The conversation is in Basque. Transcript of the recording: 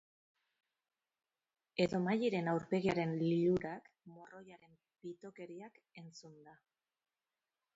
Edo Maddiren aurpegiaren lilurak morroiaren pitokeriak entzunda.